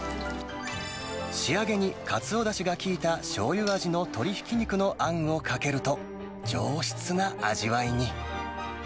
仕上げにカツオだしが効いたしょうゆ味の鶏ひき肉のあんをかけると、上質な味わいに。